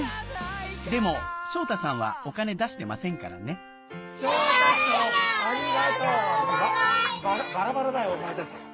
でも昇太さんはお金出してませんからねバラバラだよお前たち。